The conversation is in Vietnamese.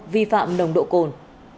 vi phạm nồng độ cồn